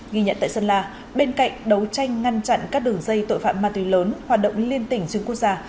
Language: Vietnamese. ghi nhận tại sơn la bên cạnh đấu tranh ngăn chặn các đường dây tội phạm ma túy lớn hoạt động liên tỉnh xuyên quốc gia